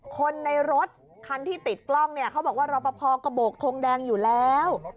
คนในรถคันที่ติดกล้องเนี่ยเขาบอกว่ารอปภกระโบกทงแดงอยู่แล้ว